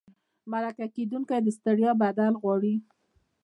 مرکه کېدونکي د ستړیا بدل غواړي.